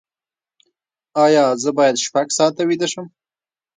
ایا زه باید شپږ ساعته ویده شم؟